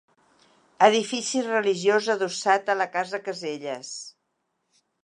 Edifici religiós adossat a la casa Caselles.